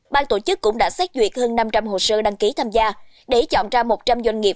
ban tổ chức cũng đã xét duyệt hơn năm trăm linh hồ sơ đăng ký tham gia để chọn ra một trăm linh doanh nghiệp